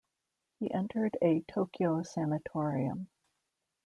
He entered a Tokyo sanatorium.